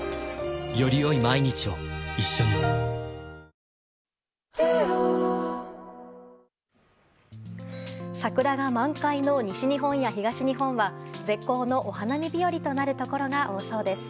東京、冬に戻ったみたいに桜が満開の西日本や東日本は絶好のお花見日和となるところが多そうです。